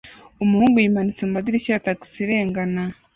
umuhungu yimanitse mumadirishya ya tagisi irengana